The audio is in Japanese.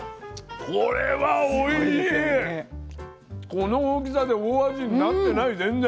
この大きさで大味になってない全然。